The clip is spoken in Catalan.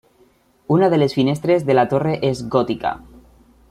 Una de les finestres de la torre és gòtica.